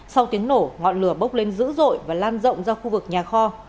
sau tiếng nổ ngọn lửa bốc lên dữ dội và lan rộng ra khu vực nhà kho